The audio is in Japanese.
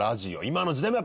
今の時代も。